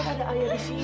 kan ada ayah di sini